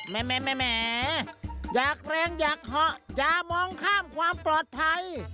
แม่อยากแรงอยากเหาะอย่ามองข้ามความปลอดภัย